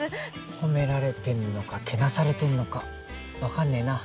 褒められてんのかけなされてんのかわかんねえなぁ。